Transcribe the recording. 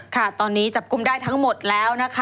ค่ะตอนนี้จับกลุ่มได้ทั้งหมดแล้วนะคะ